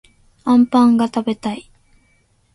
あんぱんがたべたい